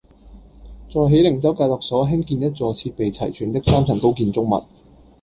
在喜靈州戒毒所興建一座設施齊全的三層高建築物